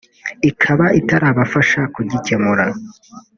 ikaba itarabafasha kugikemura